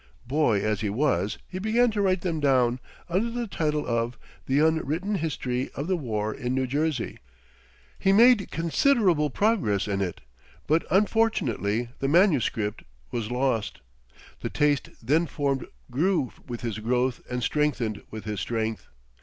Boy as he was, he began to write them down, under the title of "The Unwritten History of the War in New Jersey." He made considerable progress in it, but unfortunately the manuscript was lost. The taste then formed grew with his growth and strengthened with his strength.